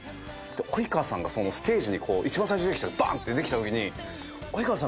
及川さんがステージに一番最初ばんって出てきたとき及川さん